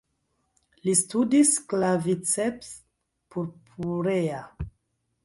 Li studis "Claviceps purpurea".